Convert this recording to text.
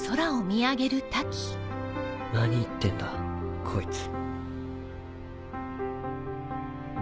何言ってんだこいつ。